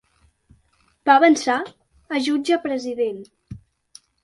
Va avançar a Jutge President.